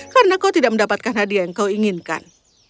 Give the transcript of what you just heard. karena kau tidak mendapatkan hadiah yang kau inginkan